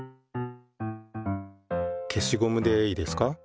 消しゴムでいいですか。